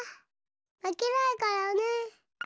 まけないからね！